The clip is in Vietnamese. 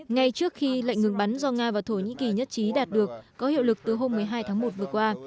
ngay trước khi lệnh ngừng bắn do nga và thổ nhĩ kỳ nhất trí đạt được có hiệu lực từ hôm một mươi hai tháng một vừa qua